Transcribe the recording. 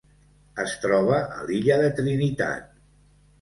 Es troba a l'illa de Trinitat.